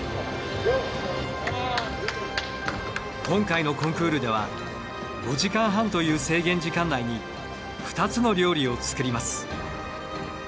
今回のコンクールでは５時間半という制限時間内に２つの料理を作ります。